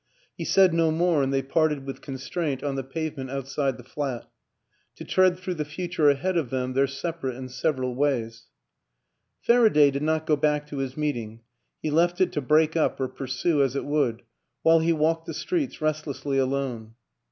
He said no more, and they parted with constraint on the pavement outside the flat to tread through the future ahead of them their separate and several ways. Faraday did not go back to his meeting; he left it to break up or pursue as it would, while he walked the streets restlessly alone.